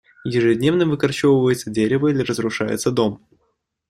Ежедневно выкорчевывается дерево или разрушается дом.